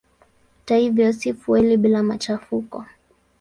Hata hivyo si fueli bila machafuko.